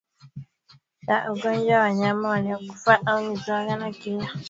za ugonjwa wanyama waliokufa au mizoga na kinga